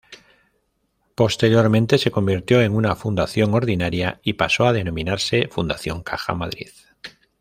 Posteriormente, se convirtió en una fundación ordinaria y pasó a denominarse Fundación Caja Madrid.